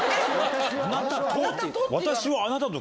あなたと？